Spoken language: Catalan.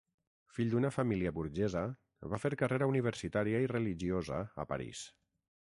Fill d'una família burgesa, va fer carrera universitària i religiosa a París.